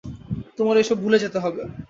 তোমার এসব ভুলে যেতে হবে।